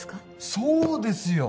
そうですよ！